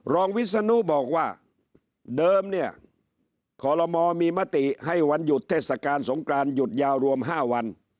วิศนุบอกว่าเดิมเนี่ยขอรมอมีมติให้วันหยุดเทศกาลสงกรานหยุดยาวรวม๕วัน